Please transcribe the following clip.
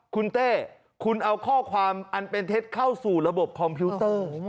คุณเต้คุณเอาข้อความอันเป็นเท็จเข้าสู่ระบบคอมพิวเตอร์